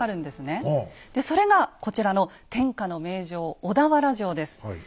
でそれがこちらの天下の名城小田原城です。